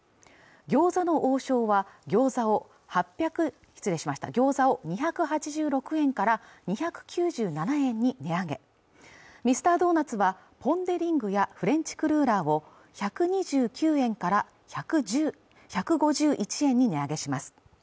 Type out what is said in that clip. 餃子の王将は餃子を２８６円から２９７円に値上げミスタードーナツはポン・デ・リングやフレンチクルーラーを１２９円から１５１円に値上げします